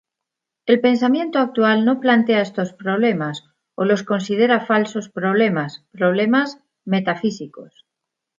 El pensamiento actual no plantea estos problemas, o los considera falsos problemas, problemas metafísicos.